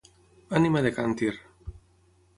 Ànima de càntir.